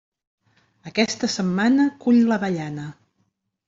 Aquesta setmana, cull l'avellana.